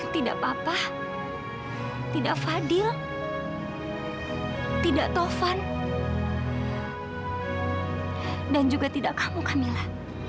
tidak papa tidak fadil tidak taufan dan juga tidak kamu kamila